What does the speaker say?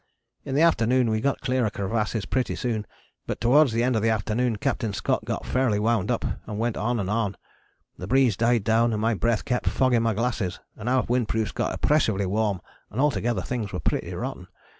In the afternoon we got clear of crevasses pretty soon, but towards the end of the afternoon Captain Scott got fairly wound up and went on and on. The breeze died down and my breath kept fogging my glasses, and our windproofs got oppressively warm and altogether things were pretty rotten.